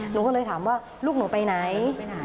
หนูก็เลยถามว่าลูกหนูไปไหน